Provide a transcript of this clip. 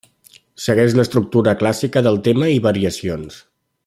Segueix l'estructura clàssica del tema i variacions.